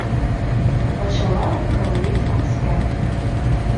Пачала гаварыць аб справе.